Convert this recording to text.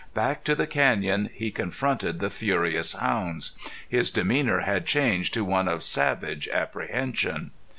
Back to the canyon, he confronted the furious hounds; his demeanor had changed to one of savage apprehension.